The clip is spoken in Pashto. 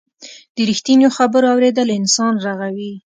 د رښتینو خبرو اورېدل انسان رغوي.